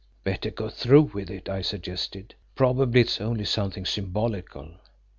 "Better go through with it," I suggested, "probably it is only something symbolical."